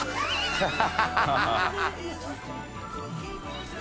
ハハハ